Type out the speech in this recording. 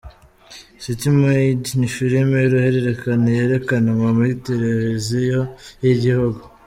City Maid ni filime y’uruhererekane yerekanwa kuri Tereviziyo y’igihugu.